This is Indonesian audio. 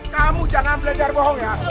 kamu jangan belajar bohong ya